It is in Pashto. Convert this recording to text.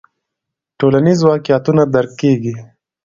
ټولنیز واقعیتونه درک کیږي.